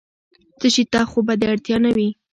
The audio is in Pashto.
څه شي ته خو به دې اړتیا نه وي؟